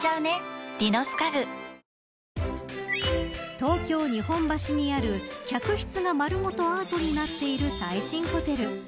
東京、日本橋にある客室が丸ごとアートになっている最新ホテル。